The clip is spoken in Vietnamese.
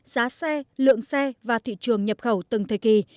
giá xe lượng xe và thị trường nhập khẩu từng thời kỳ